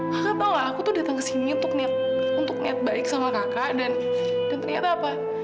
kakak tahu gak aku tuh datang kesini untuk niat untuk niat baik sama kakak dan dan ternyata apa